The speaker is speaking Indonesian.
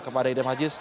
kepada idam aziz